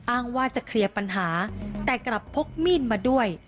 อ้างว่าจะเคลียร์ปัญหาแต่กลับพกมีดมาด้วย